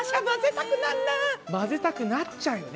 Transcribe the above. まぜたくなっちゃうよね。